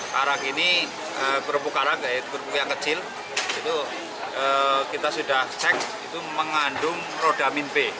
karag ini berpukar yang kecil kita sudah cek itu mengandung rodamin b